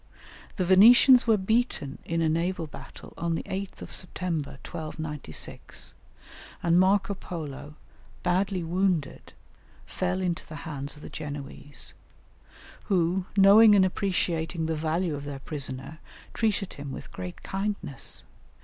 The Venetians were beaten in a naval battle on the 8th of September, 1296, and Marco Polo, badly wounded, fell into the hands of the Genoese, who, knowing and appreciating the value of their prisoner, treated him with great kindness.